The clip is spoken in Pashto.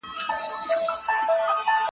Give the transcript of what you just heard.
د وړیو سربېره په غالیو کي نور څه کارول کيدل؟